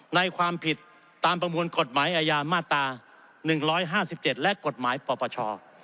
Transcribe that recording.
ความผิดตามประมวลกฎหมายอาญามาตรา๑๕๗และกฎหมายปปช